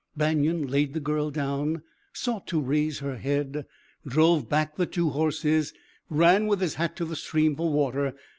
Banion laid the girl down, sought to raise her head, drove back the two horses, ran with his hat to the stream for water.